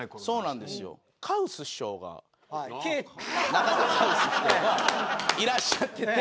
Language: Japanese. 中田カウス師匠がいらっしゃってて。